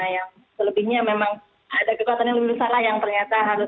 yang selebihnya memang ada kekuatan yang lebih salah yang ternyata harus